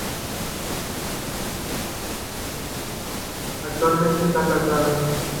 Actualmente está casada.